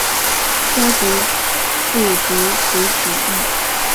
萧族部族回鹘裔。